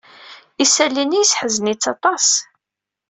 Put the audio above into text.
Isali-nni yesseḥzen-itt aṭas.